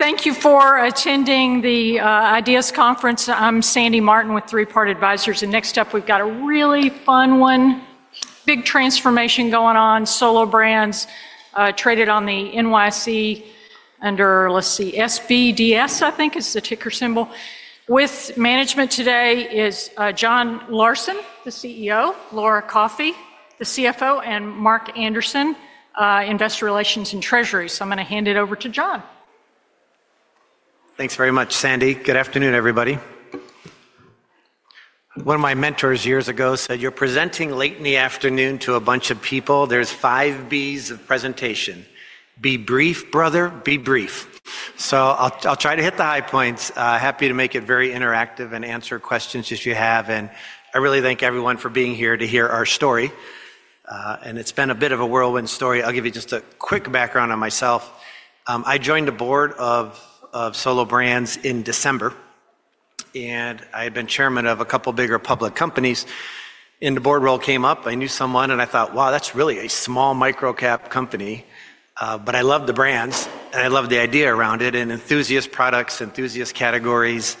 Thank you for attending the Ideas Conference. I'm Sandy Martin with Three Part Advisors. Next up, we've got a really fun one, big transformation going on. Solo Brands traded on the NYSE under, let's see, SBDS, I think is the ticker symbol. With management today is John Larson, the CEO, Laura Coffey, the CFO, and Mark Anderson, Investor Relations and Treasury. I'm going to hand it over to John. Thanks very much, Sandy. Good afternoon, everybody. One of my mentors years ago said, "You're presenting late in the afternoon to a bunch of people. There's five Bs of presentation. Be brief, brother. Be brief." I'll try to hit the high points. Happy to make it very interactive and answer questions if you have. I really thank everyone for being here to hear our story. It's been a bit of a whirlwind story. I'll give you just a quick background on myself. I joined the board of Solo Brands in December, and I had been chairman of a couple of bigger public companies. When the board role came up, I knew someone, and I thought, "Wow, that's really a small microcap company." I loved the brands, and I loved the idea around it. Enthusiast products, enthusiast categories,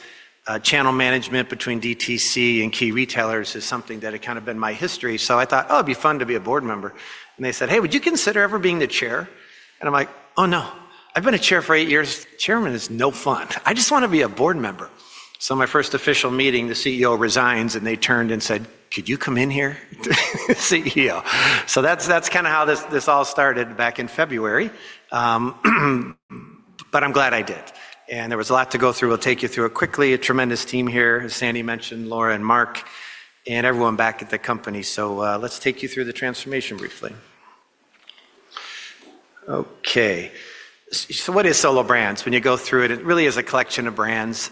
channel management between DTC and key retailers is something that had kind of been my history. I thought, "Oh, it'd be fun to be a board member." They said, "Hey, would you consider ever being the chair?" I am like, "Oh, no. I have been a chair for eight years. Chairman is no fun. I just want to be a board member." My first official meeting, the CEO resigns, and they turned and said, "Could you come in here, CEO?" That is kind of how this all started back in February. I am glad I did. There was a lot to go through. We will take you through it quickly. A tremendous team here, as Sandy mentioned, Laura and Mark, and everyone back at the company. Let us take you through the transformation briefly. Okay. What is Solo Brands? When you go through it, it really is a collection of brands.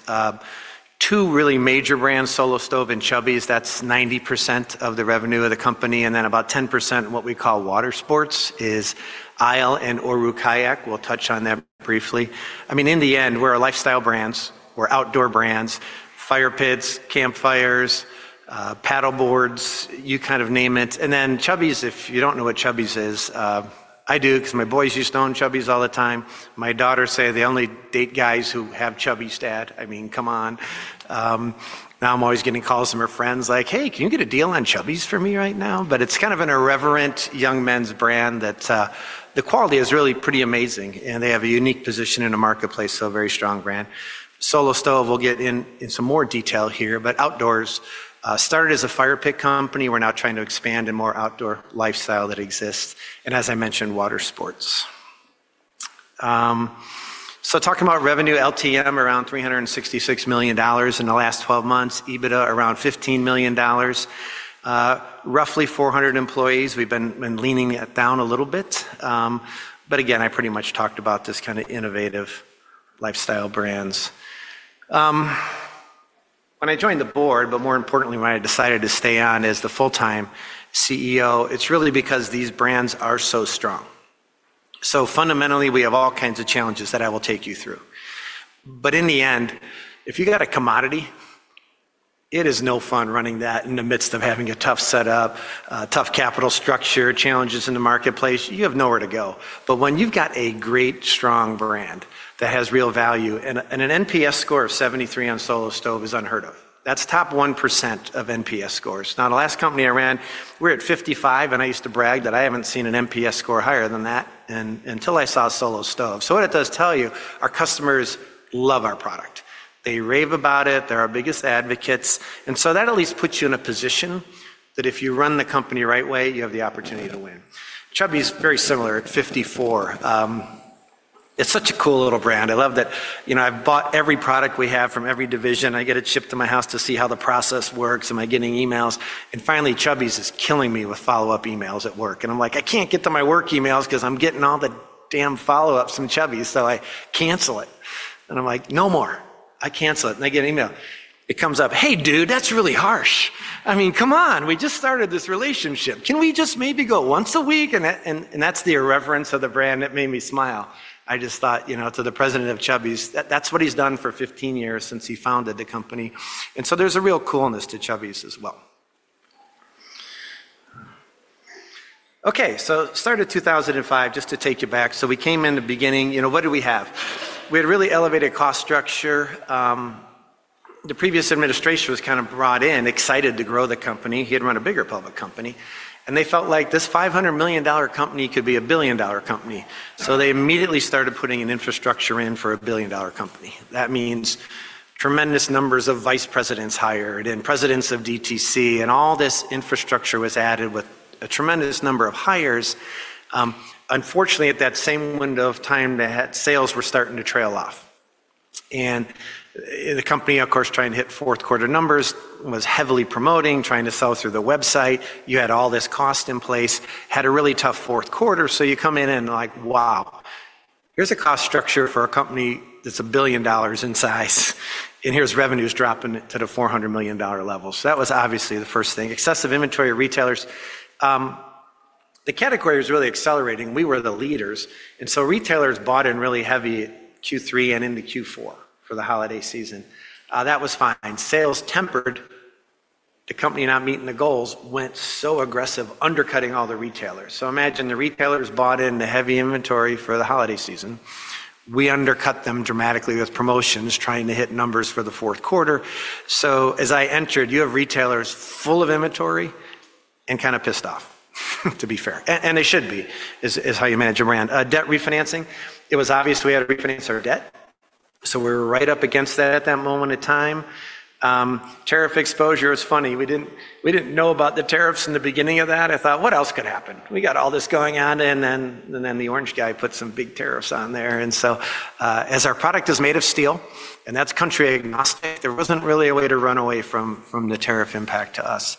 Two really major brands, Solo Stove and Chubbies, that's 90% of the revenue of the company. Then about 10%, what we call water sports, is ISLE and Oru Kayak. We'll touch on that briefly. I mean, in the end, we're a lifestyle brand. We're outdoor brands, fire pits, campfires, paddleboards, you kind of name it. Chubbies, if you don't know what Chubbies is, I do because my boys used to own Chubbies all the time. My daughters say they only date guys who have Chubbies, dad. I mean, come on. Now I'm always getting calls from her friends like, "Hey, can you get a deal on Chubbies for me right now?" It's kind of an irreverent young men's brand that the quality is really pretty amazing. They have a unique position in a marketplace, so a very strong brand. Solo Stove, we'll get in some more detail here. Outdoors, started as a fire pit company. We're now trying to expand in more outdoor lifestyle that exists. As I mentioned, water sports. Talking about revenue, LTM around $366 million in the last 12 months. EBITDA around $15 million. Roughly 400 employees. We've been leaning down a little bit. I pretty much talked about this kind of innovative lifestyle brands. When I joined the board, but more importantly, when I decided to stay on as the full-time CEO, it's really because these brands are so strong. Fundamentally, we have all kinds of challenges that I will take you through. In the end, if you got a commodity, it is no fun running that in the midst of having a tough setup, tough capital structure, challenges in the marketplace. You have nowhere to go. When you've got a great, strong brand that has real value, and an NPS score of 73 on Solo Stove is unheard of. That's top 1% of NPS scores. The last company I ran, we're at 55, and I used to brag that I haven't seen an NPS score higher than that until I saw Solo Stove. What it does tell you, our customers love our product. They rave about it. They're our biggest advocates. That at least puts you in a position that if you run the company right way, you have the opportunity to win. Chubbies very similar. At 54, it's such a cool little brand. I love that I've bought every product we have from every division. I get it shipped to my house to see how the process works. Am I getting emails? Finally, Chubbies is killing me with follow-up emails at work. I'm like, "I can't get to my work emails because I'm getting all the damn follow-ups from Chubbies." I cancel it. I'm like, "No more." I cancel it. I get an email. It comes up, "Hey, dude, that's really harsh. I mean, come on. We just started this relationship. Can we just maybe go once a week?" That's the irreverence of the brand that made me smile. I just thought, you know, to the president of Chubbies, that's what he's done for 15 years since he founded the company. There's a real coolness to Chubbies as well. Okay. Started 2005, just to take you back. We came in the beginning, you know, what do we have? We had really elevated cost structure. The previous administration was kind of brought in, excited to grow the company. He had run a bigger public company. They felt like this $500 million company could be a billion-dollar company. They immediately started putting an infrastructure in for a billion-dollar company. That means tremendous numbers of vice presidents hired and presidents of DTC. All this infrastructure was added with a tremendous number of hires. Unfortunately, at that same window of time, sales were starting to trail off. The company, of course, trying to hit fourth-quarter numbers, was heavily promoting, trying to sell through the website. You had all this cost in place, had a really tough fourth quarter. You come in and like, "Wow. Here's a cost structure for a company that's a billion dollars in size. Here's revenues dropping to the $400 million level. That was obviously the first thing. Excessive inventory of retailers. The category was really accelerating. We were the leaders. Retailers bought in really heavy Q3 and into Q4 for the holiday season. That was fine. Sales tempered. The company not meeting the goals went so aggressive, undercutting all the retailers. Imagine the retailers bought in the heavy inventory for the holiday season. We undercut them dramatically with promotions, trying to hit numbers for the fourth quarter. As I entered, you have retailers full of inventory and kind of pissed off, to be fair. And they should be, is how you manage a brand. Debt refinancing. It was obvious we had to refinance our debt. We were right up against that at that moment in time. Tariff exposure is funny. We did not know about the tariffs in the beginning of that. I thought, "What else could happen? We got all this going on." Then the orange guy put some big tariffs on there. As our product is made of steel, and that is country agnostic, there was not really a way to run away from the tariff impact to us.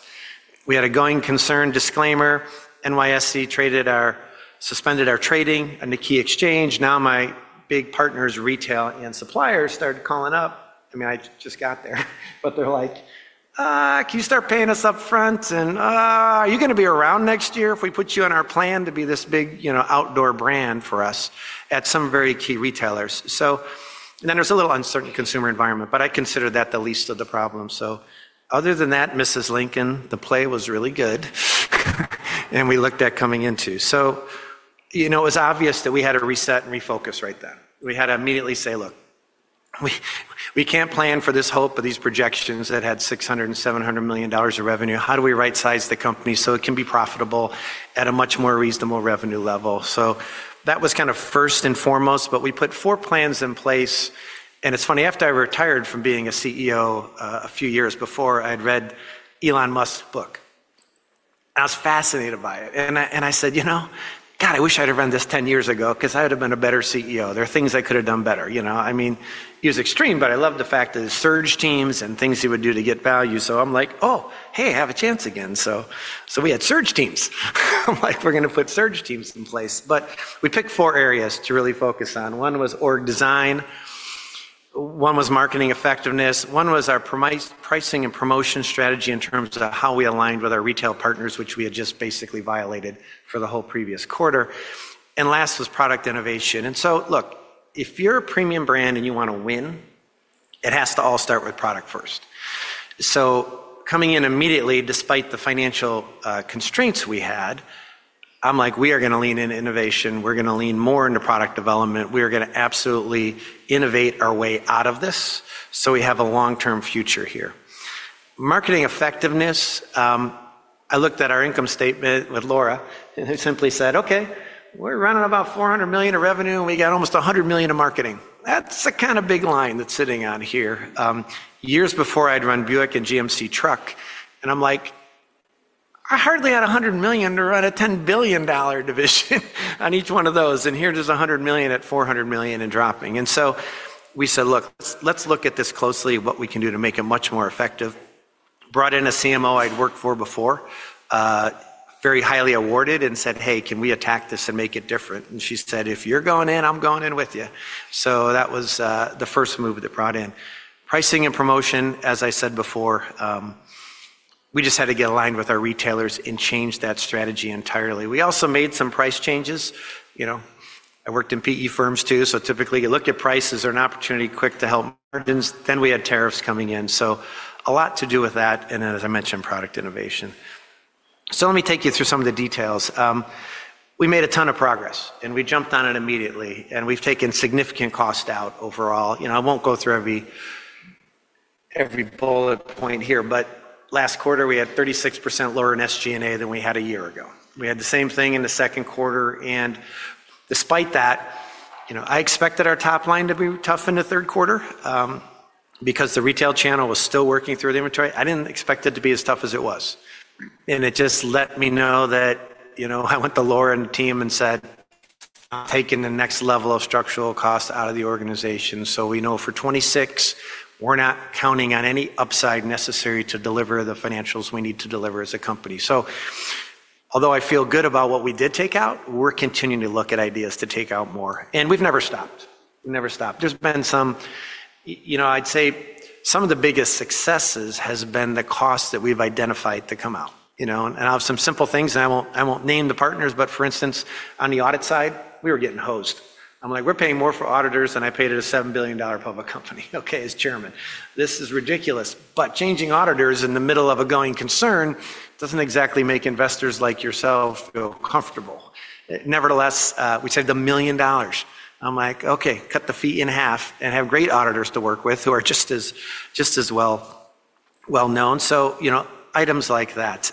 We had a going concern disclaimer. NYSE suspended our trading on the key exchange. Now my big partners, retail and suppliers, started calling up. I mean, I just got there. They are like, "Can you start paying us upfront? Are you going to be around next year if we put you on our plan to be this big outdoor brand for us at some very key retailers? There is a little uncertain consumer environment, but I consider that the least of the problem. Other than that, Mrs. Lincoln, the play was really good. We looked at coming into it. It was obvious that we had to reset and refocus right then. We had to immediately say, "Look, we can't plan for this hope of these projections that had $600 million and $700 million of revenue. How do we right-size the company so it can be profitable at a much more reasonable revenue level?" That was kind of first and foremost. We put four plans in place. It's funny, after I retired from being a CEO a few years before, I had read Elon Musk's book. I was fascinated by it. I said, "You know, God, I wish I'd have run this 10 years ago because I would have been a better CEO. There are things I could have done better." You know, I mean, he was extreme, but I loved the fact that his surge teams and things he would do to get value. I'm like, "Oh, hey, I have a chance again." We had surge teams. I'm like, "We're going to put surge teams in place." We picked four areas to really focus on. One was org design. One was marketing effectiveness. One was our pricing and promotion strategy in terms of how we aligned with our retail partners, which we had just basically violated for the whole previous quarter. Last was product innovation. Look, if you're a premium brand and you want to win, it has to all start with product first. Coming in immediately, despite the financial constraints we had, I'm like, "We are going to lean in innovation. We're going to lean more into product development. We are going to absolutely innovate our way out of this so we have a long-term future here." Marketing effectiveness. I looked at our income statement with Laura and I simply said, "Okay, we're running about $400 million of revenue. We got almost $100 million of marketing." That's a kind of big line that's sitting on here. Years before, I'd run Buick and GMC truck. I'm like, "I hardly had $100 million to run a $10 billion division on each one of those. Here's $100 million at $400 million and dropping. We said, "Look, let's look at this closely, what we can do to make it much more effective." Brought in a CMO I'd worked for before, very highly awarded, and said, "Hey, can we attack this and make it different?" She said, "If you're going in, I'm going in with you." That was the first move that brought in. Pricing and promotion, as I said before, we just had to get aligned with our retailers and change that strategy entirely. We also made some price changes. I worked in PE firms too. Typically, you look at prices, there are an opportunity quick to help margins. We had tariffs coming in. A lot to do with that. As I mentioned, product innovation. Let me take you through some of the details. We made a ton of progress, and we jumped on it immediately. We've taken significant cost out overall. I won't go through every bullet point here, but last quarter, we had 36% lower in SG&A than we had a year ago. We had the same thing in the second quarter. Despite that, I expected our top line to be tough in the third quarter because the retail channel was still working through the inventory. I didn't expect it to be as tough as it was. It just let me know that I went to Laura and the team and said, "I'm taking the next level of structural cost out of the organization. We know for 2026, we're not counting on any upside necessary to deliver the financials we need to deliver as a company. Although I feel good about what we did take out, we're continuing to look at ideas to take out more. We've never stopped. There's been some, I'd say some of the biggest successes has been the cost that we've identified to come out. I'll have some simple things, and I won't name the partners, but for instance, on the audit side, we were getting hosed. I'm like, "We're paying more for auditors than I paid at a $7 billion public company." As Chairman, this is ridiculous. Changing auditors in the middle of a going concern doesn't exactly make investors like yourself feel comfortable. Nevertheless, we saved $1 million. I'm like, "Okay, cut the fee in half and have great auditors to work with who are just as well known." Items like that.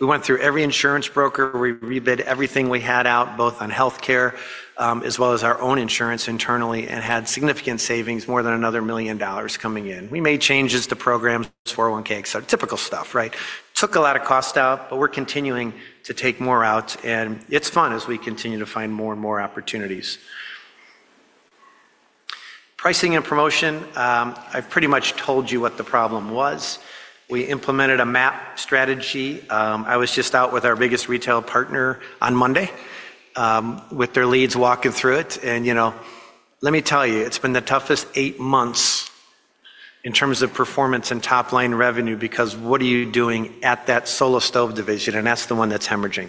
We went through every insurance broker. We rebid everything we had out, both on healthcare as well as our own insurance internally, and had significant savings, more than another $1 million coming in. We made changes to programs, 401(k)s, typical stuff, right? Took a lot of cost out, but we're continuing to take more out. It's fun as we continue to find more and more opportunities. Pricing and promotion. I've pretty much told you what the problem was. We implemented a MAP strategy. I was just out with our biggest retail partner on Monday with their leads walking through it. Let me tell you, it's been the toughest eight months in terms of performance and top-line revenue because what are you doing at that Solo Stove division? That's the one that's hemorrhaging.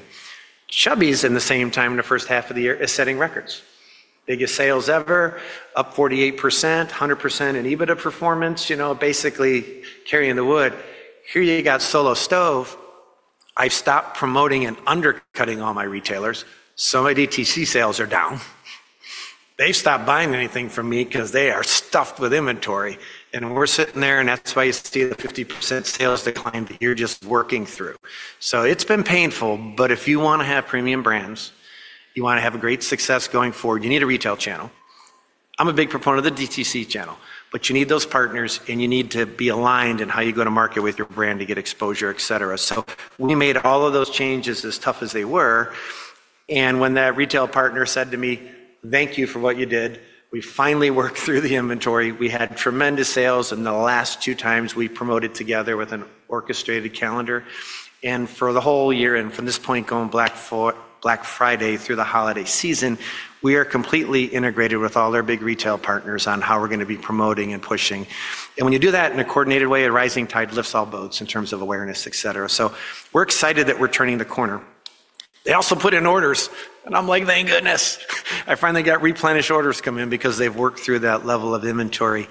Chubbies, in the same time, in the first half of the year, is setting records. Biggest sales ever, up 48%, 100% in EBITDA performance, basically carrying the wood. Here you got Solo Stove. I've stopped promoting and undercutting all my retailers. My DTC sales are down. They've stopped buying anything from me because they are stuffed with inventory. We're sitting there, and that's why you see the 50% sales decline that you're just working through. It's been painful. If you want to have premium brands, you want to have great success going forward, you need a retail channel. I'm a big proponent of the DTC channel, but you need those partners, and you need to be aligned in how you go to market with your brand to get exposure, etc. We made all of those changes as tough as they were. When that retail partner said to me, "Thank you for what you did," we finally worked through the inventory. We had tremendous sales in the last two times we promoted together with an orchestrated calendar. For the whole year and from this point going Black Friday through the holiday season, we are completely integrated with all our big retail partners on how we're going to be promoting and pushing. When you do that in a coordinated way, a rising tide lifts all boats in terms of awareness, etc. We're excited that we're turning the corner. They also put in orders, and I'm like, "Thank goodness." I finally got replenished orders coming in because they've worked through that level of inventory.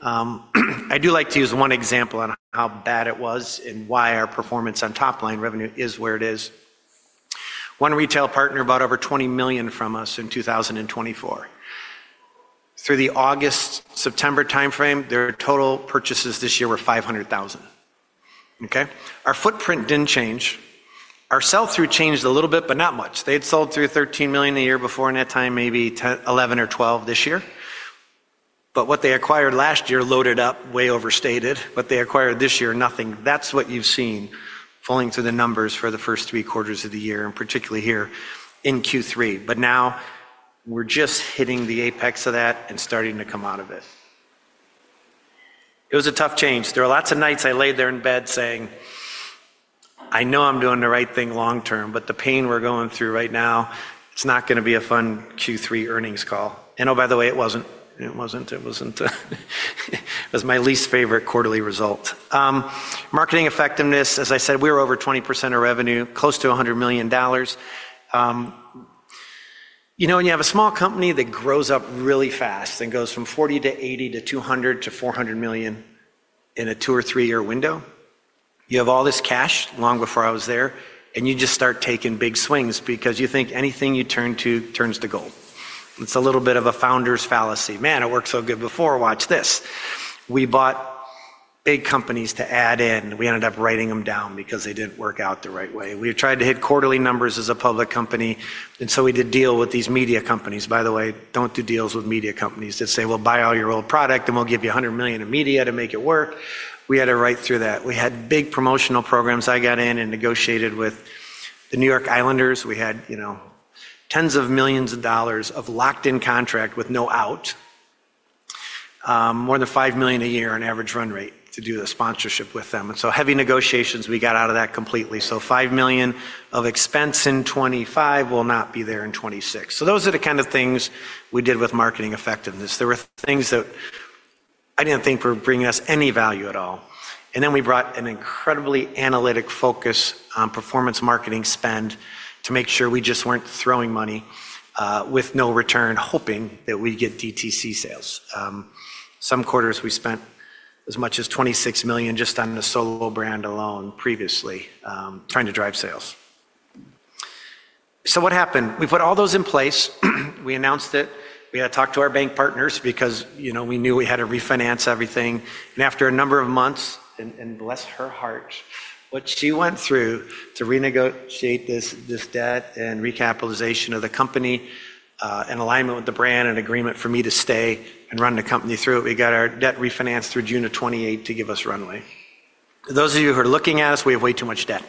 I do like to use one example on how bad it was and why our performance on top-line revenue is where it is. One retail partner bought over $20 million from us in 2024. Through the August-September timeframe, their total purchases this year were $500,000. Okay? Our footprint did not change. Our sell-through changed a little bit, but not much. They had sold through $13 million a year before in that time, maybe $11 million or $12 million this year. What they acquired last year loaded up, way overstated. What they acquired this year, nothing. That is what you've seen falling through the numbers for the first three quarters of the year, and particularly here in Q3. Now we're just hitting the apex of that and starting to come out of it. It was a tough change. There were lots of nights I laid there in bed saying, "I know I'm doing the right thing long-term, but the pain we're going through right now, it's not going to be a fun Q3 earnings call." Oh, by the way, it wasn't. It wasn't. It was my least favorite quarterly result. Marketing effectiveness, as I said, we were over 20% of revenue, close to $100 million. You know, when you have a small company that grows up really fast and goes from $40 million to $80 million to $200 million to $400 million in a two or three-year window, you have all this cash long before I was there, and you just start taking big swings because you think anything you turn to turns to gold. It's a little bit of a founder's fallacy. Man, it worked so good before. Watch this. We bought big companies to add in. We ended up writing them down because they didn't work out the right way. We had tried to hit quarterly numbers as a public company. We did deal with these media companies. By the way, don't do deals with media companies that say, "We'll buy all your old product, and we'll give you $100 million in media to make it work." We had to write through that. We had big promotional programs. I got in and negotiated with the New York Islanders. We had tens of millions of dollars of locked-in contract with no out, more than $5 million a year on average run rate to do the sponsorship with them. Heavy negotiations, we got out of that completely. $5 million of expense in 2025 will not be there in 2026. Those are the kind of things we did with marketing effectiveness. There were things that I did not think were bringing us any value at all. Then we brought an incredibly analytic focus on performance marketing spend to make sure we just were not throwing money with no return, hoping that we get DTC sales. Some quarters, we spent as much as $26 million just on the Solo brand alone previously, trying to drive sales. What happened? We put all those in place. We announced it. We had to talk to our bank partners because we knew we had to refinance everything. After a number of months, and bless her heart, what she went through to renegotiate this debt and recapitalization of the company and alignment with the brand and agreement for me to stay and run the company through it, we got our debt refinanced through June of 2028 to give us runway. For those of you who are looking at us, we have way too much debt.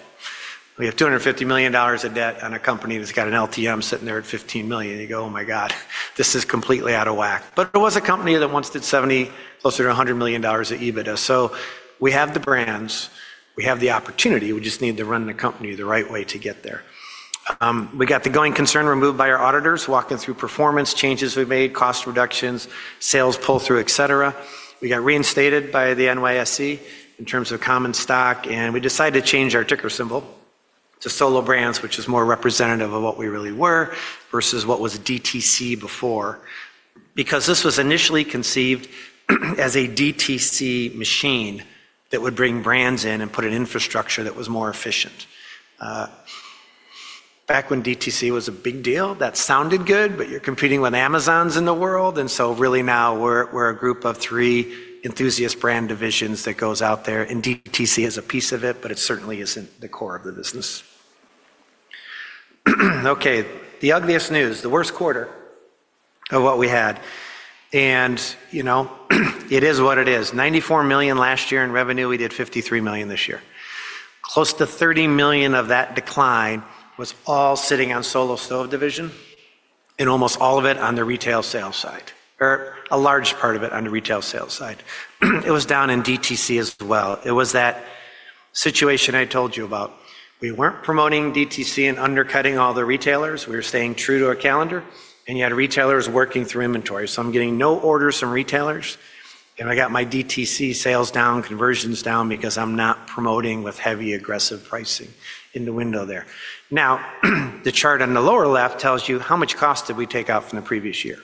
We have $250 million of debt on a company that's got an LTM sitting there at $15 million. You go, "Oh my God, this is completely out of whack." It was a company that once did $70 million, closer to $100 million at EBITDA. We have the brands. We have the opportunity. We just need to run the company the right way to get there. We got the going concern removed by our auditors, walking through performance changes we made, cost reductions, sales pull-through, etc. We got reinstated by the NYSE in terms of common stock. We decided to change our ticker symbol to Solo Brands, which is more representative of what we really were versus what was DTC before because this was initially conceived as a DTC machine that would bring brands in and put an infrastructure that was more efficient. Back when DTC was a big deal, that sounded good, but you're competing with Amazons in the world. Really now we're a group of three enthusiast brand divisions that goes out there. DTC is a piece of it, but it certainly isn't the core of the business. Okay. The ugliest news, the worst quarter of what we had. It is what it is. $94 million last year in revenue. We did $53 million this year. Close to $30 million of that decline was all sitting on Solo Stove division and almost all of it on the retail sales side or a large part of it on the retail sales side. It was down in DTC as well. It was that situation I told you about. We were not promoting DTC and undercutting all the retailers. We were staying true to our calendar. You had retailers working through inventory. I am getting no orders from retailers. I got my DTC sales down, conversions down because I am not promoting with heavy aggressive pricing in the window there. Now, the chart on the lower left tells you how much cost did we take out from the previous year.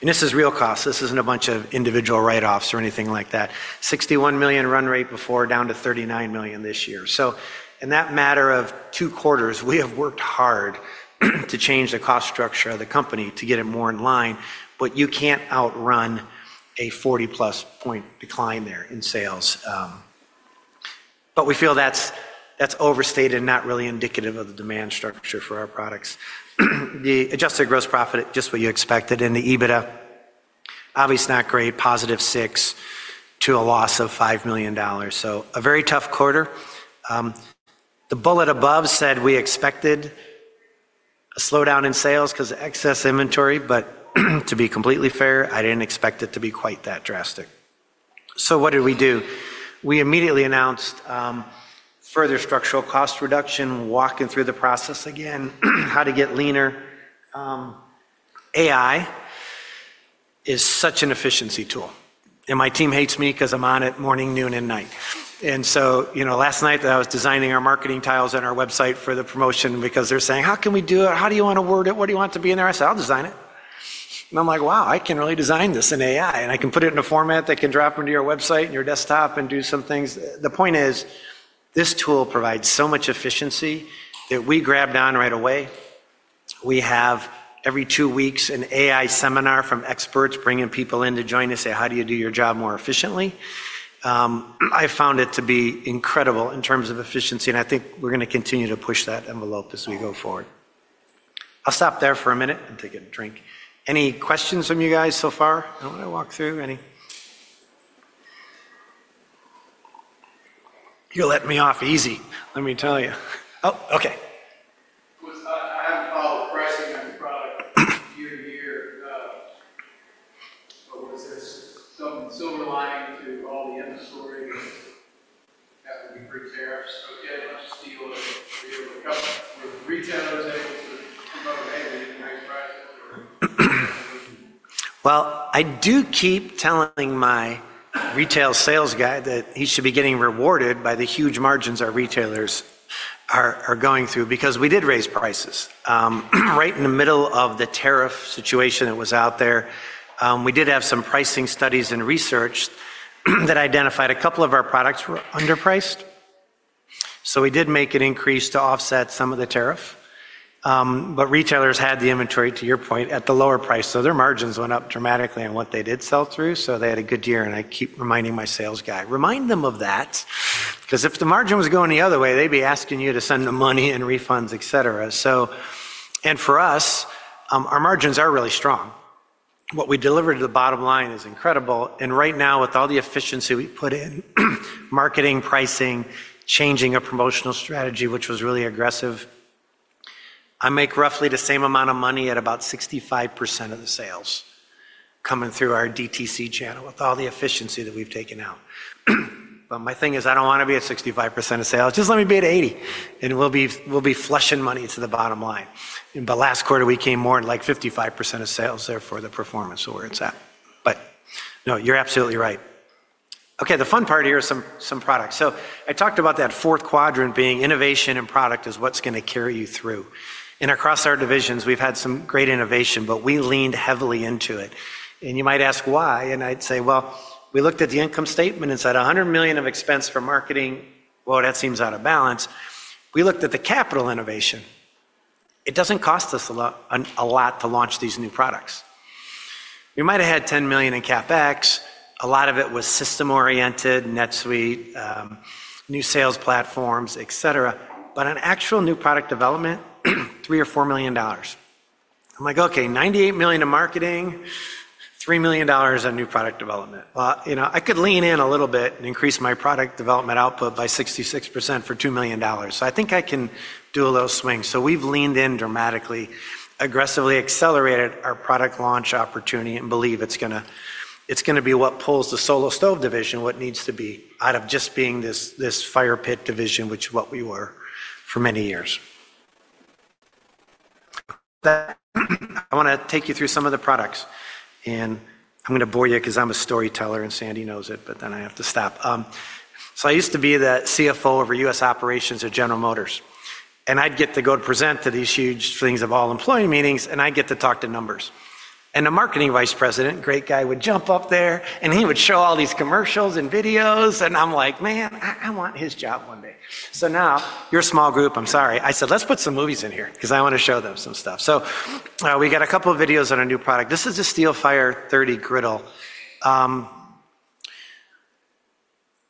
This is real cost. This is not a bunch of individual write-offs or anything like that. $61 million run rate before, down to $39 million this year. In that matter of two quarters, we have worked hard to change the cost structure of the company to get it more in line. You can't outrun a 40+ point decline there in sales. We feel that's overstated and not really indicative of the demand structure for our products. The adjusted gross profit, just what you expected. The EBITDA, obviously not great, +$6 million to a loss of $5 million. A very tough quarter. The bullet above said we expected a slowdown in sales because of excess inventory. To be completely fair, I didn't expect it to be quite that drastic. What did we do? We immediately announced further structural cost reduction, walking through the process again, how to get leaner. AI is such an efficiency tool. My team hates me because I'm on it morning, noon, and night. Last night, I was designing our marketing tiles on our website for the promotion because they're saying, "How can we do it? How do you want to word it? What do you want to be in there?" I said, "I'll design it." I'm like, "Wow, I can really design this in AI. I can put it in a format that can drop into your website and your desktop and do some things." The point is this tool provides so much efficiency that we grabbed on right away. We have every two weeks an AI seminar from experts bringing people in to join us and say, "How do you do your job more efficiently?" I found it to be incredible in terms of efficiency. I think we're going to continue to push that envelope as we go forward. I'll stop there for a minute and take a drink. Any questions from you guys so far? I don't want to walk through any. You'll let me off easy, let me tell you. Oh, okay. I have a follow-up question on the product year to year. What was this? Silver lining to all the inventory after we break tariffs? Do you have a bunch of steel that we're able to cut? Were retailers able to promote? Hey, we didn't raise prices. I do keep telling my retail sales guy that he should be getting rewarded by the huge margins our retailers are going through because we did raise prices. Right in the middle of the tariff situation that was out there, we did have some pricing studies and research that identified a couple of our products were underpriced. We did make an increase to offset some of the tariff. Retailers had the inventory, to your point, at the lower price. Their margins went up dramatically on what they did sell through. They had a good year. I keep reminding my sales guy, "Remind them of that." If the margin was going the other way, they'd be asking you to send them money and refunds, etc. For us, our margins are really strong. What we delivered at the bottom line is incredible. Right now, with all the efficiency we put in, marketing, pricing, changing a promotional strategy, which was really aggressive, I make roughly the same amount of money at about 65% of the sales coming through our DTC channel with all the efficiency that we've taken out. My thing is I do not want to be at 65% of sales. Just let me be at 80%, and we will be flushing money to the bottom line. Last quarter, we came more like 55% of sales there for the performance of where it is at. No, you are absolutely right. The fun part here is some products. I talked about that fourth quadrant being innovation, and product is what is going to carry you through. Across our divisions, we have had some great innovation, but we leaned heavily into it. You might ask why. I’d say, "We looked at the income statement and said $100 million of expense for marketing. That seems out of balance." We looked at the capital innovation. It does not cost us a lot to launch these new products. We might have had $10 million in CapEx. A lot of it was system-oriented, NetSuite, new sales platforms, etc. On actual new product development, $3 million or $4 million. I’m like, "Okay, $98 million of marketing, $3 million on new product development." I could lean in a little bit and increase my product development output by 66% for $2 million. I think I can do a little swing. We have leaned in dramatically, aggressively accelerated our product launch opportunity and believe it is going to be what pulls the Solo Stove division, what needs to be out of just being this firepit division, which is what we were for many years. I want to take you through some of the products. I am going to bore you because I am a storyteller and Sandy knows it, but then I have to stop. I used to be the CFO over U.S. operations at General Motors. I would get to go to present to these huge things of all employee meetings, and I would get to talk to numbers. The marketing vice president, great guy, would jump up there and he would show all these commercials and videos. I am like, "Man, I want his job one day." Now you are a small group, I am sorry. I said, "Let's put some movies in here because I want to show them some stuff." We got a couple of videos on a new product. This is a Steelfire 30 Griddle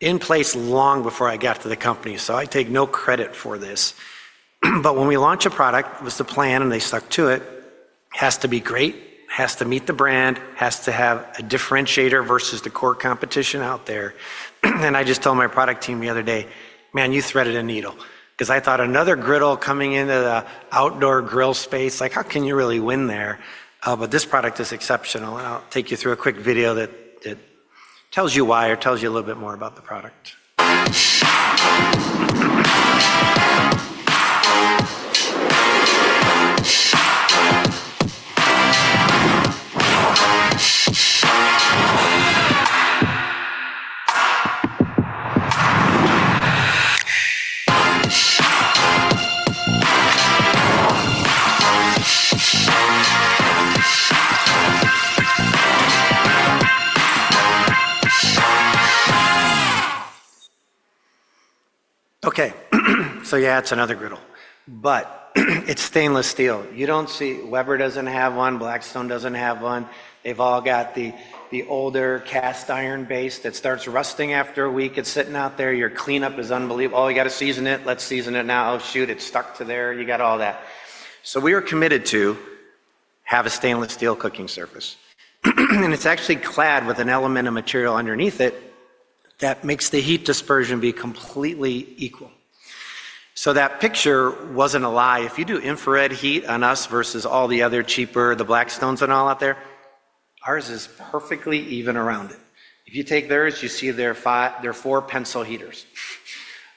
in place long before I got to the company. I take no credit for this. When we launch a product, it was the plan and they stuck to it, has to be great, has to meet the brand, has to have a differentiator versus the core competition out there. I just told my product team the other day, "Man, you threaded a needle." I thought another griddle coming into the outdoor grill space, like, "How can you really win there?" This product is exceptional. I'll take you through a quick video that tells you why or tells you a little bit more about the product. Okay. Yeah, it's another griddle. But it's stainless steel. You don't see Weber doesn't have one, Blackstone doesn't have one. They've all got the older cast iron base that starts rusting after a week. It's sitting out there. Your cleanup is unbelievable. Oh, you got to season it. Let's season it now. Oh, shoot, it's stuck to there. You got all that. We are committed to have a stainless steel cooking surface. And it's actually clad with an element of material underneath it that makes the heat dispersion be completely equal. That picture wasn't a lie. If you do infrared heat on us versus all the other cheaper, the Blackstones and all out there, ours is perfectly even around it. If you take theirs, you see there are four pencil heaters.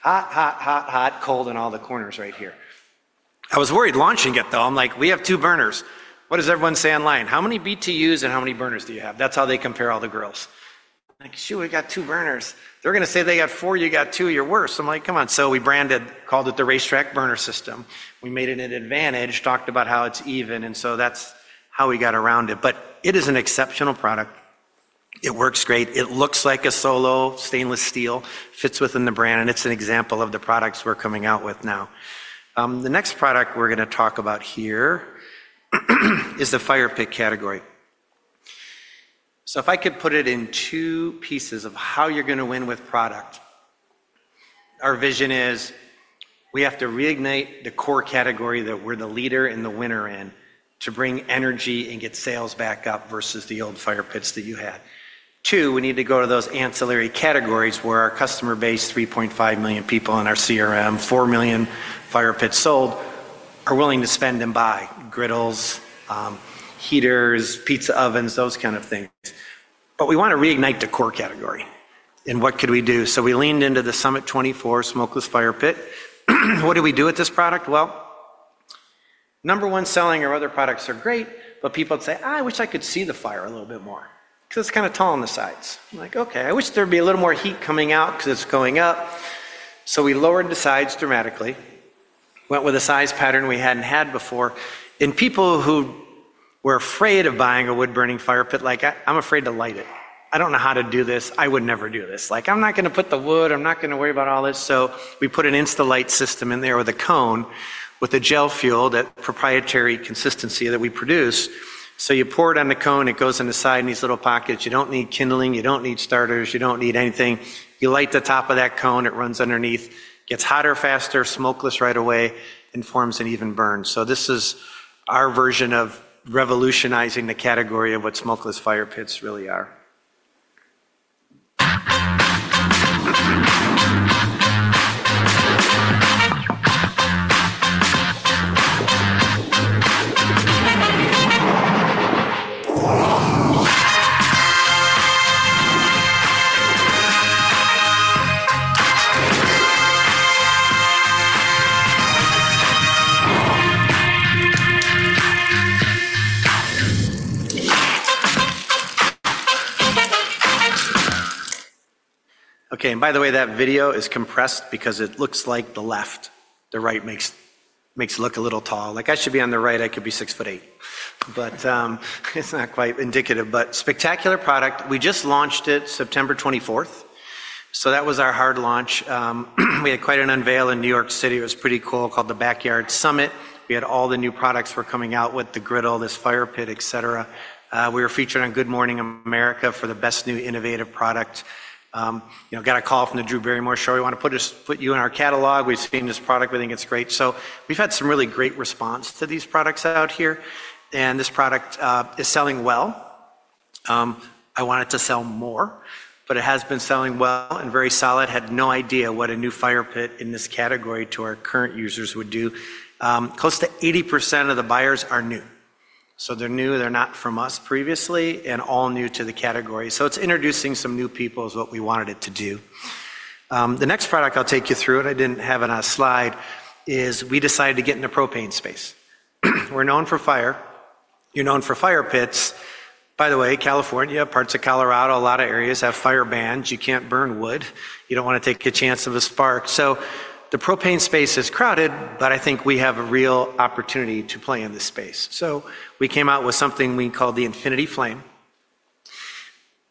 Hot, hot, hot, hot, cold in all the corners right here. I was worried launching it, though. I'm like, "We have two burners. What does everyone say online? How many BTUs and how many burners do you have?" That's how they compare all the grills. Like, "Shoot, we got two burners." They're going to say they got four, you got two, you're worse. I'm like, "Come on." We branded, called it the Racetrack Burner System. We made it an advantage, talked about how it's even. That is how we got around it. It is an exceptional product. It works great. It looks like a Solo stainless steel, fits within the brand, and it's an example of the products we're coming out with now. The next product we're going to talk about here is the firepit category. If I could put it in two pieces of how you're going to win with product, our vision is we have to reignite the core category that we're the leader and the winner in to bring energy and get sales back up versus the old firepits that you had. Two, we need to go to those ancillary categories where our customer base, 3.5 million people on our CRM, 4 million firepits sold, are willing to spend and buy griddles, heaters, pizza ovens, those kind of things. We want to reignite the core category. What could we do? We leaned into the Summit 24 smokeless fire pit. What do we do with this product? Number one, selling our other products are great, but people would say, "I wish I could see the fire a little bit more because it's kind of tall on the sides." I'm like, "Okay. I wish there would be a little more heat coming out because it's going up." We lowered the sides dramatically, went with a size pattern we hadn't had before. People who were afraid of buying a wood-burning fire pit, like, "I'm afraid to light it. I don't know how to do this. I would never do this. I'm not going to put the wood. I'm not going to worry about all this." We put an Instalight System in there with a cone with a gel fuel, that proprietary consistency that we produce. You pour it on the cone, it goes in the side in these little pockets. You don't need kindling, you don't need starters, you don't need anything. You light the top of that cone, it runs underneath, gets hotter, faster, smokeless right away, and forms an even burn. This is our version of revolutionizing the category of what smokeless fire pits really are. By the way, that video is compressed because it looks like the left. The right makes it look a little tall. Like, I should be on the right. I could be 6 ft 8 in. It is not quite indicative. Spectacular product. We just launched it September 24th. That was our hard launch. We had quite an unveil in New York City. It was pretty cool called the Backyard Summit. We had all the new products were coming out with the griddle, this fire pit, etc. We were featured on Good Morning America for the best new innovative product. Got a call from the Drew Barrymore show. We want to put you in our catalog. We've seen this product. We think it's great. We have had some really great response to these products out here. This product is selling well. I want it to sell more, but it has been selling well and very solid. Had no idea what a new fire pit in this category to our current users would do. Close to 80% of the buyers are new. They are new. They are not from us previously and all new to the category. It is introducing some new people, which is what we wanted it to do. The next product I'll take you through, and I did not have it on a slide, is we decided to get in the propane space. We are known for fire. You're known for fire pits. By the way, California, parts of Colorado, a lot of areas have fire bans. You can't burn wood. You don't want to take a chance of a spark. The propane space is crowded, but I think we have a real opportunity to play in this space. We came out with something we called the Infinity Flame.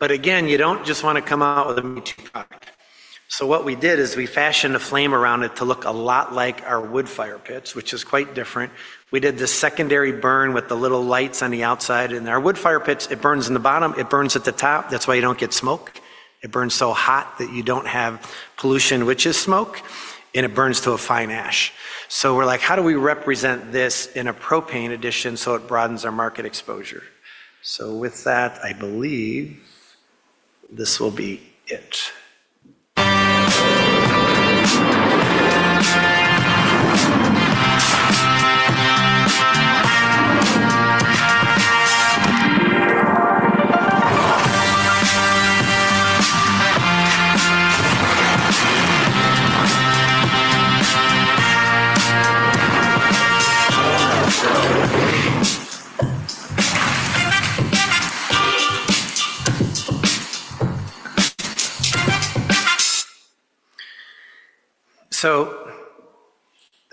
Again, you don't just want to come out with a B2 product. What we did is we fashioned a flame around it to look a lot like our wood fire pits, which is quite different. We did the secondary burn with the little lights on the outside. In our wood fire pits, it burns in the bottom, it burns at the top. That's why you don't get smoke. It burns so hot that you do not have pollution, which is smoke, and it burns to a fine ash. We are like, "How do we represent this in a propane edition so it broadens our market exposure?" With that, I believe this will be it.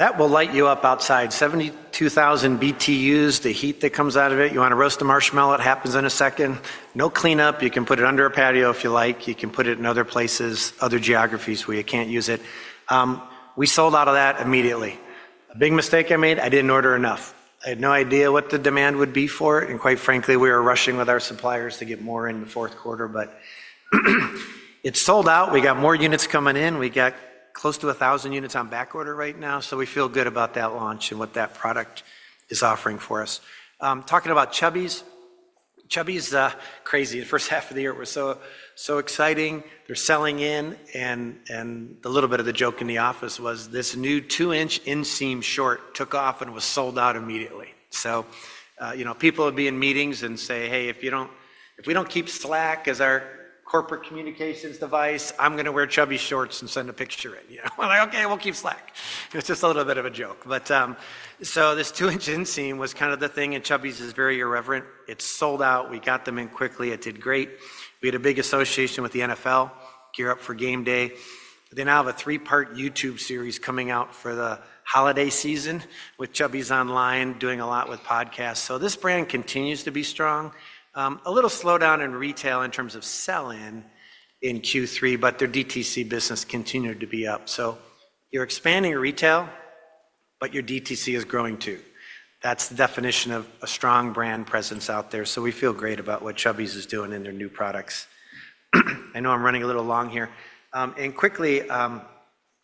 That will light you up outside. 72,000 BTUs, the heat that comes out of it. You want to roast a marshmallow. It happens in a second. No cleanup. You can put it under a patio if you like. You can put it in other places, other geographies where you cannot use it. We sold out of that immediately. A big mistake I made. I did not order enough. I had no idea what the demand would be for it. Quite frankly, we were rushing with our suppliers to get more in the fourth quarter, but it sold out. We got more units coming in. We got close to 1,000 units on back order right now. We feel good about that launch and what that product is offering for us. Talking about Chubbies, Chubbies is crazy. The first half of the year was so exciting. They are selling in. The little bit of the joke in the office was this new two-inch inseam short took off and was sold out immediately. People would be in meetings and say, "Hey, if we do not keep Slack as our corporate communications device, I am going to wear Chubbies shorts and send a picture in." We are like, "Okay, we will keep Slack." It is just a little bit of a joke. This two-inch inseam was kind of the thing. Chubbies is very irreverent. It sold out. We got them in quickly. It did great. We had a big association with the NFL, gear up for game day. They now have a three-part YouTube series coming out for the holiday season with Chubbies online doing a lot with podcasts. This brand continues to be strong. A little slowdown in retail in terms of selling in Q3, but their DTC business continued to be up. You are expanding retail, but your DTC is growing too. That is the definition of a strong brand presence out there. We feel great about what Chubbies is doing in their new products. I know I am running a little long here. Quickly,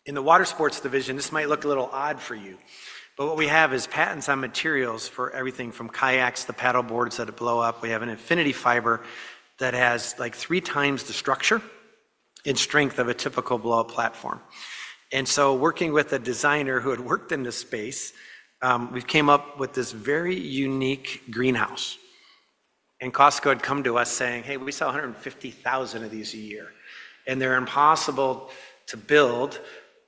in the water sports division, this might look a little odd for you, but what we have is patents on materials for everything from kayaks to paddleboards that blow up. We have an Infinity Fiber that has like three times the structure and strength of a typical blow-up platform. Working with a designer who had worked in this space, we came up with this very unique greenhouse. Costco had come to us saying, "Hey, we sell 150,000 of these a year. They're impossible to build.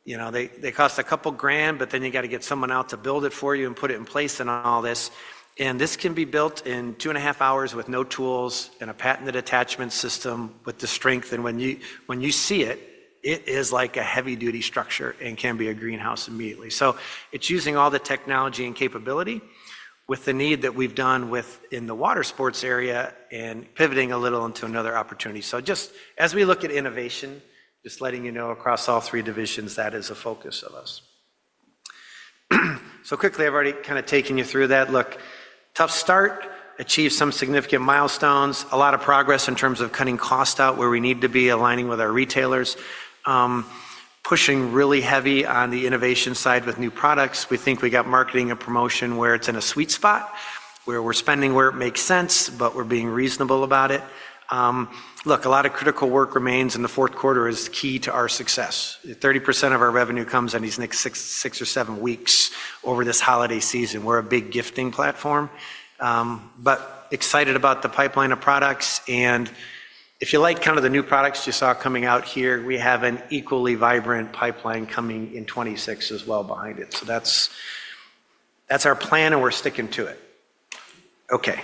They cost a couple of grand, but then you got to get someone out to build it for you and put it in place and all this. This can be built in two and a half hours with no tools and a patented attachment system with the strength. When you see it, it is like a heavy-duty structure and can be a greenhouse immediately. It is using all the technology and capability with the need that we have done within the water sports area and pivoting a little into another opportunity. Just as we look at innovation, just letting you know across all three divisions, that is a focus of us. Quickly, I have already kind of taken you through that. Look, tough start, achieved some significant milestones, a lot of progress in terms of cutting cost out where we need to be, aligning with our retailers, pushing really heavy on the innovation side with new products. We think we got marketing and promotion where it is in a sweet spot, where we are spending where it makes sense, but we are being reasonable about it. Look, a lot of critical work remains in the fourth quarter is key to our success. 30% of our revenue comes in these next six or seven weeks over this holiday season. We're a big gifting platform, but excited about the pipeline of products. If you like kind of the new products you saw coming out here, we have an equally vibrant pipeline coming in 2026 as well behind it. That is our plan and we're sticking to it. Okay.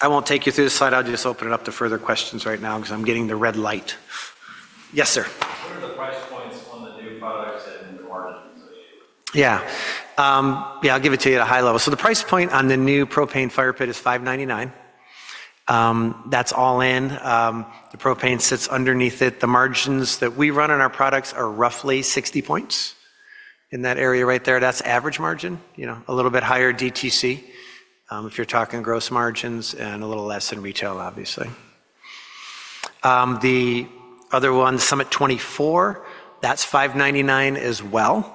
I will not take you through the slide. I will just open it up to further questions right now because I am getting the red light. Yes, sir. What are the price points on the new products and the margins that you? Yeah. Yeah, I will give it to you at a high level. The price point on the new propane fire pit is $599. That is all in. The propane sits underneath it. The margins that we run on our products are roughly 60 points in that area right there. That's average margin, a little bit higher DTC if you're talking gross margins and a little less in retail, obviously. The other one, Summit 24, that's $599 as well.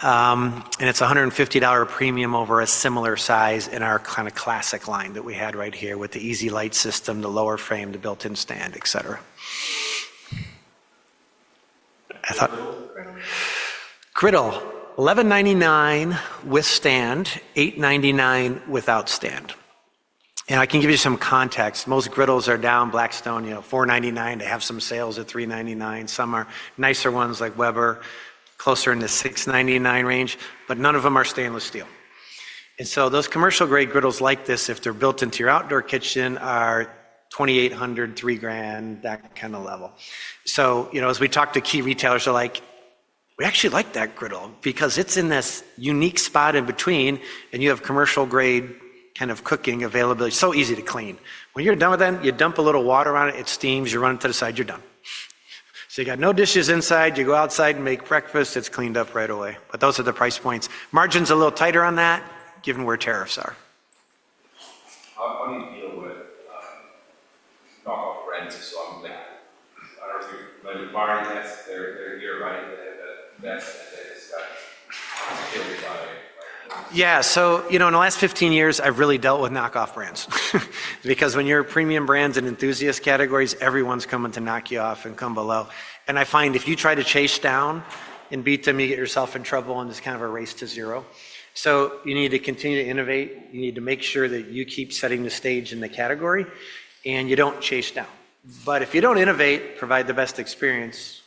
It's a $150 premium over a similar size in our kind of classic line that we had right here with the Easy Light system, the lower frame, the built-in stand, etc. Griddle. Griddle. Griddle. $1,199 with stand, $899 without stand. I can give you some context. Most griddles are down Blackstone, $499. They have some sales at $399. Some are nicer ones like Weber, closer in the $699 range, but none of them are stainless steel. Those commercial-grade griddles like this, if they're built into your outdoor kitchen, are $2,800, $3,000, that kind of level. As we talked to key retailers, they're like, "We actually like that griddle because it's in this unique spot in between, and you have commercial-grade kind of cooking availability. It's so easy to clean. When you're done with them, you dump a little water on it, it steams, you run it to the side, you're done." You got no dishes inside. You go outside and make breakfast. It's cleaned up right away. Those are the price points. Margins a little tighter on that, given where tariffs are. How do you deal with knock-off brands? I'm going to have I don't know if you've heard of Martex. They're here right at the desk, and they just got killed by. Yeah. In the last 15 years, I've really dealt with knock-off brands because when you're premium brands and enthusiast categories, everyone's coming to knock you off and come below. I find if you try to chase down and beat them, you get yourself in trouble and it's kind of a race to zero. You need to continue to innovate. You need to make sure that you keep setting the stage in the category and you don't chase down. If you don't innovate, provide the best experience.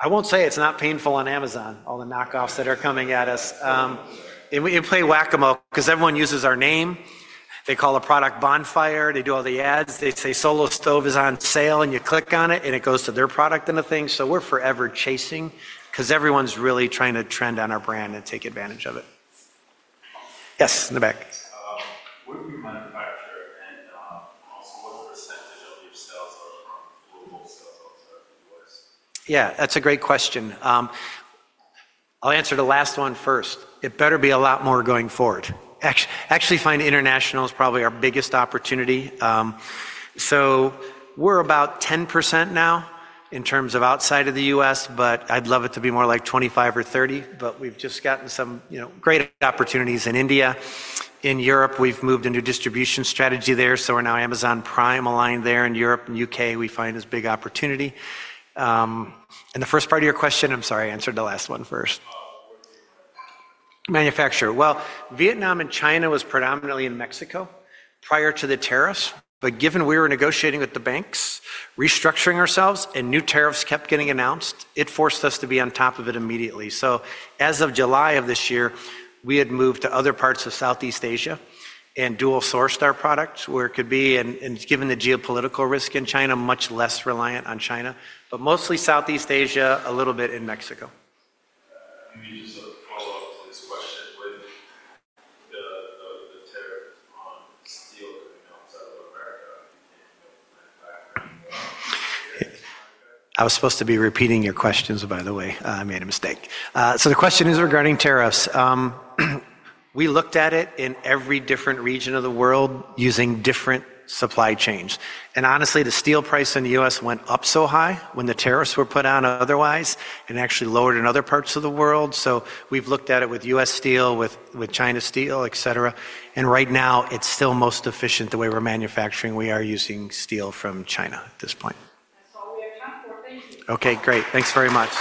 I won't say it's not painful on Amazon, all the knock-offs that are coming at us. We play Whac-A-Mole because everyone uses our name. They call a product Bonfire. They do all the ads. They say Solo Stove is on sale, and you click on it, and it goes to their product and the thing. We're forever chasing because everyone's really trying to trend on our brand and take advantage of it. Yes, in the back. What do you manufacture? And also, what percentage of your sales are from global sales outside of the U.S.? Yeah, that's a great question. I'll answer the last one first. It better be a lot more going forward. Actually, I find international is probably our biggest opportunity. We're about 10% now in terms of outside of the U.S., but I'd love it to be more like 25% or 30%. We've just gotten some great opportunities in India. In Europe, we've moved into distribution strategy there. We're now Amazon Prime aligned there in Europe. In the U.K., we find this big opportunity. The first part of your question, I'm sorry, I answered the last one first. Manufacturer. Vietnam and China was predominantly in Mexico prior to the tariffs. Given we were negotiating with the banks, restructuring ourselves, and new tariffs kept getting announced, it forced us to be on top of it immediately. As of July of this year, we had moved to other parts of Southeast Asia and dual-sourced our products where it could be. Given the geopolitical risk in China, much less reliant on China, but mostly Southeast Asia, a little bit in Mexico. Can you just follow up on this question with the tariffs on steel coming outside of America? I was supposed to be repeating your questions, by the way. I made a mistake. The question is regarding tariffs. We looked at it in every different region of the world using different supply chains. Honestly, the steel price in the U.S. went up so high when the tariffs were put on otherwise and actually lowered in other parts of the world. We have looked at it with U.S. steel, with China steel, etc. Right now, it is still most efficient the way we are manufacturing. We are using steel from China at this point. That is all we have time for. Thank you. Okay, great. Thanks very much.